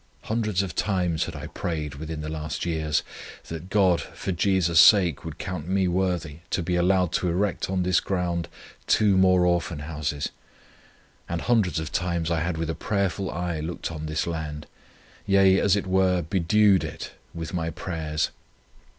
Hundreds of times had I prayed, within the last years, that God for Jesus' sake would count me worthy, to be allowed to erect on this ground two more Orphan Houses; and hundreds of times I had with a prayerful eye looked on this land, yea, as it were, bedewed it with my prayers.